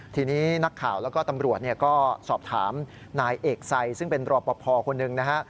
ทีนี้นักข่าวแล้วก็ตำรวจก็สอบถามนายเอกไซซึ่งเป็นรอปภคนหนึ่งนะฮะ